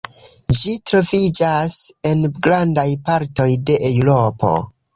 Ĝi troviĝas en grandaj partoj de Eŭropo.